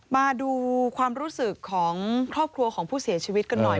มาดูความรู้สึกของครอบครัวของผู้เสียชีวิตกันหน่อย